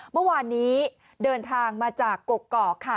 เมื่อวานนี้เดินทางมาจากกกอกค่ะ